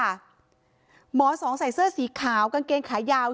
หมอสองใส่เสื้อสีขาวกางเกงขายาว